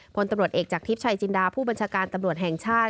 พลตำรวจเอกจากทิพย์ชัยจินดาผู้บัญชาการตำรวจแห่งชาติ